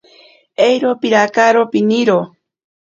Airo pirakaro piniro.